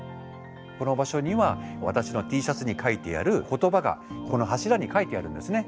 この場所には私のＴシャツに書いてある言葉がこの柱に書いてあるんですね。